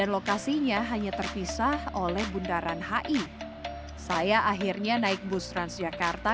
lokasinya hanya terpisah oleh bundaran hi saya akhirnya naik bus transjakarta